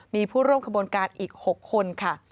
มีผู้ร่วมขบวนการอีก๖คนค่ะ